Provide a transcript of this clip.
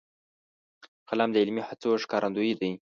قلم د علمي هڅو ښکارندوی دی